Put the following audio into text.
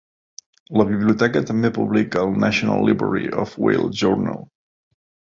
La Biblioteca també publica el "National Library of Wales Journal".